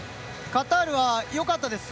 カタールはよかったです。